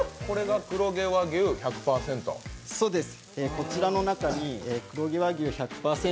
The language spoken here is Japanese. こちらが黒毛和牛１００％？